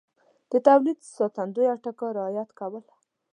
د تولید ساتندویه ټکو رعایت کول